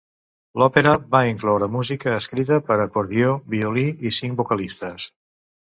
L'òpera va incloure música escrita per a acordió, violí i cinc vocalistes.